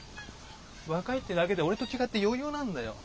若いってだけで俺と違って余裕なんだよ。